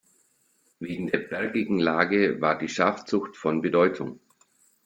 Wegen der bergigen Lage war die Schafzucht von Bedeutung.